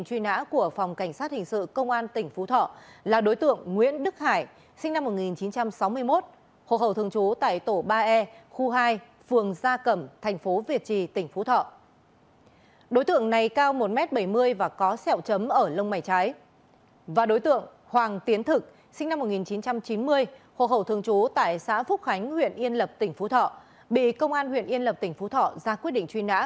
hồ hậu thường chú tại xã phúc khánh huyện yên lập tỉnh phú thọ bị công an huyện yên lập tỉnh phú thọ ra quyết định truy nã